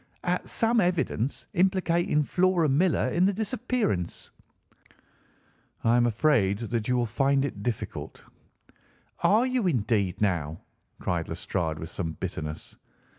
"At some evidence implicating Flora Millar in the disappearance." "I am afraid that you will find it difficult." "Are you, indeed, now?" cried Lestrade with some bitterness.